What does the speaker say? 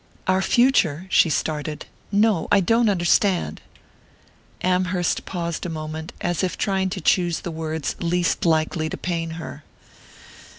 "Our future?" She started. "No, I don't understand." Amherst paused a moment, as if trying to choose the words least likely to pain her.